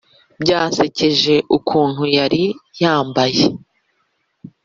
byansekeje ukuntu yari yambaye